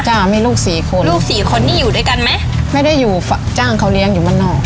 จ้มีลูกสี่คนลูกสี่คนนี้อยู่ด้วยกันไหมไม่ได้อยู่จ้างเขาเลี้ยงอยู่บ้านนอก